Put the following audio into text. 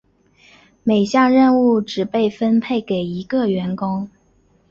每项任务只被分配给一个员工。